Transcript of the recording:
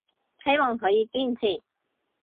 希望可以堅持